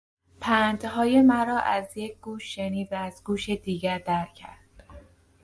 پندهای مرا از یک گوش شنید و از گوش دیگر در کرد.